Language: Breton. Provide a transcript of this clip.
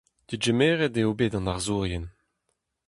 Degemeret eo bet an arzourien.